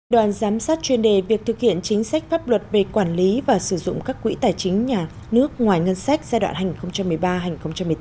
đoàn giám sát chuyên đề việc thực hiện chính sách pháp luật về quản lý và sử dụng các quỹ tài chính nhà nước ngoài ngân sách giai đoạn hai nghìn một mươi ba hai nghìn một mươi tám